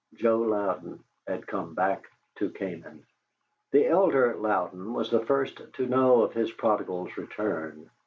Joe Louden had come back to Canaan. The elder Louden was the first to know of his prodigal's return.